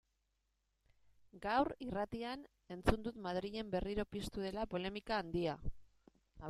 Gaur, irratian, entzun dut Madrilen berriro piztu dela polemika handia.